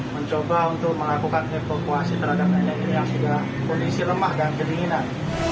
mencoba untuk melakukan evakuasi terhadap nenek ini yang sudah kondisi lemah dan kedinginan